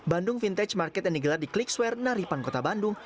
bandung vintage market yang digelar di klik sware naripan kota bandung